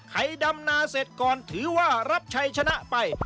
ใครดำนาเสร็จก่อนถือว่ารับชัยชนะไป